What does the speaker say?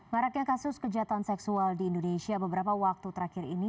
maraknya kasus kejahatan seksual di indonesia beberapa waktu terakhir ini